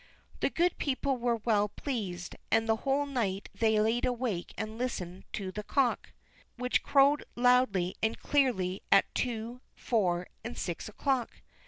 The good people were well pleased, and the whole night they laid awake and listened to the cock, which crowed loudly and clearly at two, four, and six o'clock.